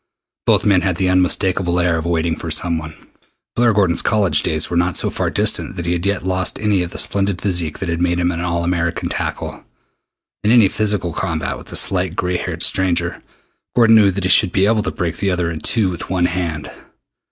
Both men had the unmistakable air of waiting for someone. Blair Gordon's college days were not so far distant that he had yet lost any of the splendid physique that had made him an All American tackle. In any physical combat with the slight gray haired stranger, Gordon knew that he should be able to break the other in two with one hand.